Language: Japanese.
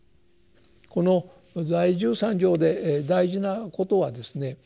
この第十三条で大事なことはですね